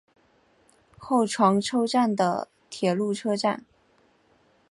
厚床车站的铁路车站。